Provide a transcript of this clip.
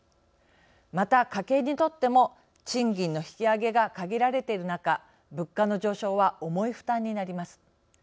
また、家計にとっても賃金の引き上げが限られている中物価の上昇は重い負担になります。